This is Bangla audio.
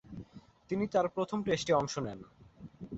তিনি তার প্রথম টেস্টে অংশ নেন।